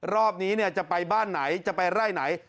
รอบนี้จะไปบ้านไหนจะไปไล่ไหน